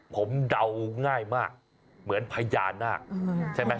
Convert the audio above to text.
ผมเดาง่ายมากเหมือนพญานาคใช่ไหม